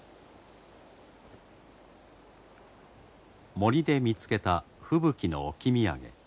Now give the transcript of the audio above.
森で見つけた吹雪の置き土産。